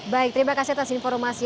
baik terima kasih atas informasi